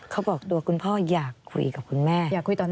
เขาบอกตัวคุณพ่ออยากคุยกับคุณแม่